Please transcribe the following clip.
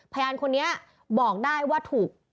พยานคนนี้บอกได้ว่าถูก